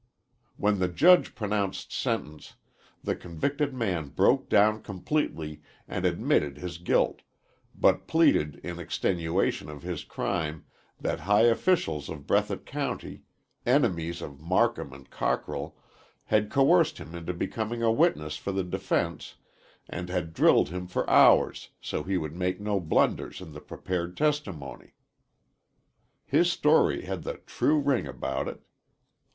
When the judge pronounced sentence, the convicted man broke down completely and admitted his guilt, but pleaded in extenuation of his crime that high officials of Breathitt County, enemies of Marcum and Cockrell, had coerced him into becoming a witness for the defense and had drilled him for hours so he would make no blunders in the prepared testimony. His story had the true ring about it.